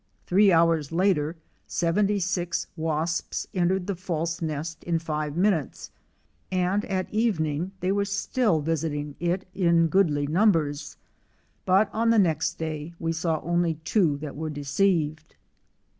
Three hours later seventy six wasps entered the false nest in five minutes, and at evening they were still visiting it in goodly numbers ; but on the next day we saw only two that were deceived.